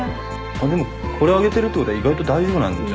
でもこれ上げてるってことは意外と大丈夫なんじゃ。